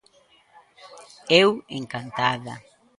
Eu encantada.